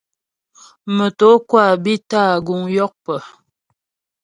Motǒkwâ bi tâ guŋ yókpə.